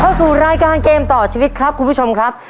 เข้าสู่รายการเกมต่อชีวิตครับคุณผู้ชมครับ